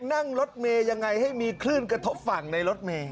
นั่งรถเมย์ยังไงให้มีคลื่นกระทบฝั่งในรถเมย์